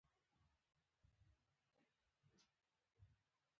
احمد د پسه غوښه قطره قطره کړه.